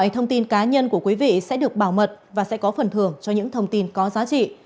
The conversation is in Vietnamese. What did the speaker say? mọi thông tin cá nhân của quý vị sẽ được bảo mật và sẽ có phần thưởng cho những thông tin có giá trị